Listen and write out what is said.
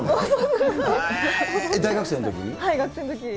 大学生のときに？